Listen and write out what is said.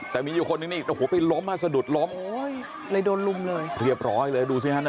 แต่มีอยู่คนนึงนี่โอ้โหไปล้มอ่ะสะดุดล้มโอ้ยเลยโดนลุมเลยเรียบร้อยเลยดูสิฮะ